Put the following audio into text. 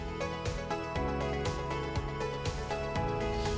kita harus memiliki kekuatan